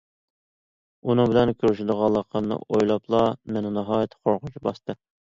ئۇنىڭ بىلەن كۆرۈشىدىغانلىقىمنى ئويلاپلا، مېنى ناھايىتى قورقۇنچ باستى.